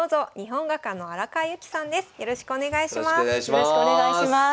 よろしくお願いします。